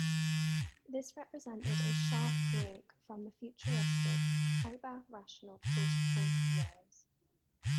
This represented a sharp break from the futuristic, hyper rational post-punk years.